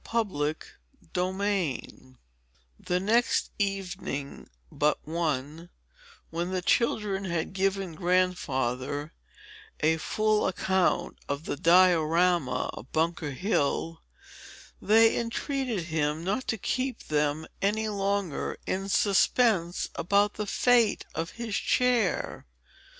Chapter VIII The next evening but one, when the children had given Grandfather a full account of the Diorama of Bunker Hill, they entreated him not to keep them any longer in suspense about the fate of his chair.